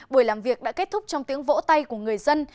buổi làm việc đã kết thúc trong tiếng vỗ tay của người dân